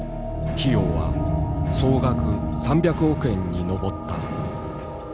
費用は総額３００億円に上った。